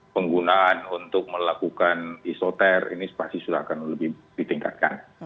penggunaan untuk melakukan isoter ini pasti sudah akan lebih ditingkatkan